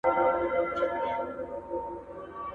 نه یې جوش د ګل غونډۍ سته نه یې بوی د کابل جان دی !.